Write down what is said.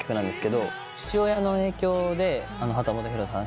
父親の影響で秦基博さん